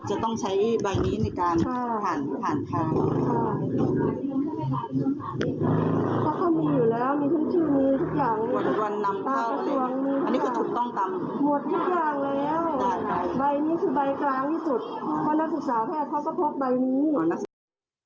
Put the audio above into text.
จะต้องใช้ใบนี้ในการผ่านผ่านทาง